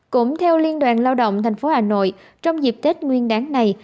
cũng theo liên đoàn lao động thành phố hà nội trong dịp tết nguyên đáng này